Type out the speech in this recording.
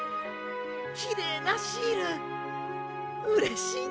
きれいなシールうれしいな！